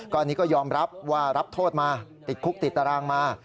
อันนี้ก็ยอมรับว่ารับโทษมาติดคุกติดตารางมา